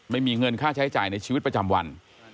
ไม่มีเงินค่าใช้จ่ายในชีวิตประจำวัน